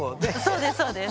そうですそうです。